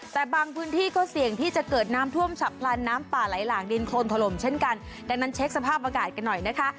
แต่บางพื้นที่ก็เสี่ยงที่จะเกิดน้ำท่วมฉับพลันน้ำป่าไหลหลากดินโครนถล่มเช่นกันดังนั้นเช็คสภาพอากาศกันหน่อยนะคะ